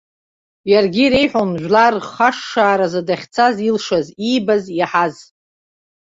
Иаргьы иреиҳәон жәлар рхашшааразы дахьцаз илшаз, иибаз, иаҳаз.